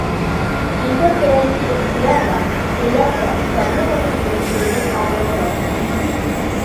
Илдә сәйәси ихтыяр ҙа, теләк тә, проблеманың етдилеген аңлау ҙа юҡ.